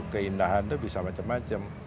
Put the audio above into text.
keindahan itu bisa macam macam